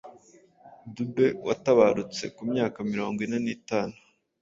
Dube watabarutse ku myaka mirongo ine nitatu